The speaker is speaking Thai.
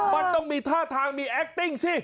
มันต้องมีท่าทางมีแอคติ้งสิ